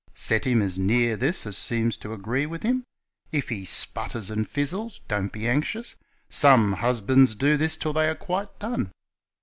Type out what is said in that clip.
Set him as near this as seems to agree with him. If he sputters and fizzles, don't be anxious ; some husbands do this till they are quite done.